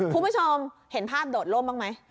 คุณผู้ชมเห็นภาพโดดล่มบ้างไหม